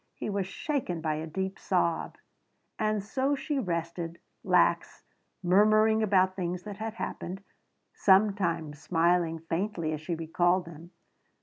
He was shaken by a deep sob. And so she rested, lax, murmuring about things that had happened, sometimes smiling faintly as she recalled them.